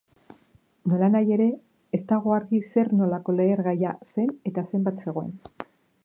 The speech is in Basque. Nolanahi ere, ez dago argi zer-nolako lehergaia zen eta zenbat zegoen.